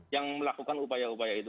yang melakukan upaya upaya itu